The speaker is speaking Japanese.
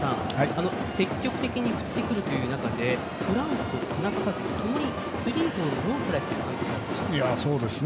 積極的に振ってくるという中でフランコ、田中和基ともにスリーボールノーストライクというカウントになりました。